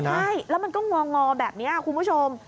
ใช่แล้วมันก็งองอแบบนี้คุณผู้ชม